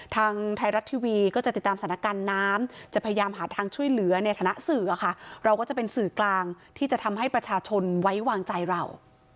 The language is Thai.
ทางไทยรัฐทีวีก็จะติดตามสถานการณ์น้ำจะพยายามหาทางช่วยเหลือในฐานะสื่อค่ะเราก็จะเป็นสื่อกลางที่จะทำให้ประชาชนไว้วางใจเรา